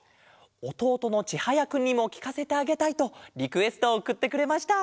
おとうとのちはやくんにもきかせてあげたいとリクエストをおくってくれました。